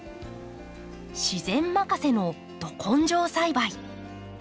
自然任せのど根性栽培。